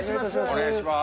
お願いいたします。